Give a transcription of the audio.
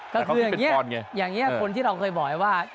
ก็คืออย่างนี้อย่างนี้คนที่เราเคยบอกไว้ว่า